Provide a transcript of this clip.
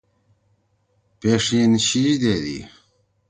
پیݜیِن شیِش دیدی۔